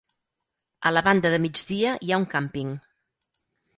A la banda de migdia hi ha un càmping.